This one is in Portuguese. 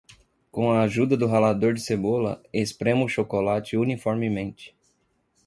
Com a ajuda do ralador de cebola, esprema o chocolate uniformemente.